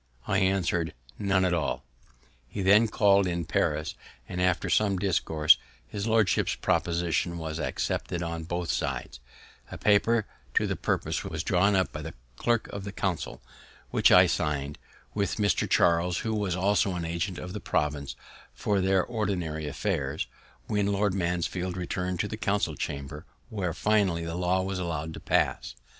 I answer'd, "None at all." He then call'd in Paris, and after some discourse, his lordship's proposition was accepted on both sides; a paper to the purpose was drawn up by the Clerk of the Council, which I sign'd with Mr. Charles, who was also an Agent of the Province for their ordinary affairs, when Lord Mansfield returned to the Council Chamber, where finally the law was allowed to pass.